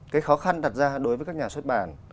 cái khó khăn đặt ra đối với các nhà xuất bản